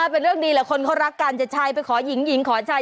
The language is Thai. เป็นเรื่องดีแหละคนเขารักกันจะชัยไปขอหญิงหญิงขอชาย